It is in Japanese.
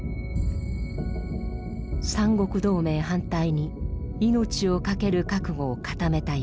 三国同盟反対に命を懸ける覚悟を固めた山本。